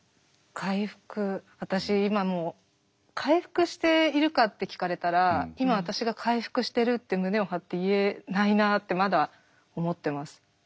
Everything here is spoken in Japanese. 回復私今も回復しているかって聞かれたら今私が回復してるって胸を張って言えないなってまだ思ってます。